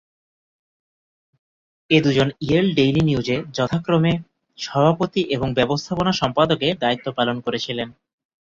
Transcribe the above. এ দু’জন Yale Daily নিউজে যথাক্রমে সভাপতি এবং ব্যবস্থাপনা সম্পাদকের দায়িত্ব পালন করেছিলেন।